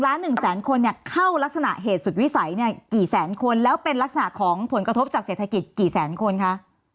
ล้านหนึ่งแสนคนเนี่ยเข้ารักษณะเหตุสุดวิสัยเนี่ยกี่แสนคนแล้วเป็นลักษณะของผลกระทบจากเศรษฐกิจกี่แสนคนคะ